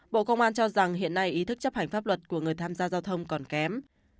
bộ công an cho rằng hiện nay ý thức chấp hành pháp luật của người tham gia giao thông còn kém